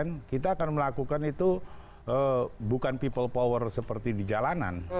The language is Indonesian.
karena kita akan melakukan itu bukan people power seperti di jalanan